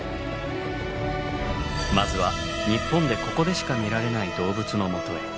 まずは日本でここでしか見られない動物のもとへ。